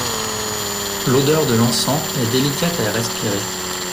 L'odeur de l'encens est délicate à respirer.